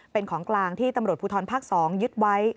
เป็นของกลางที่ตำรวจภูทรภาค๒ยึดไว้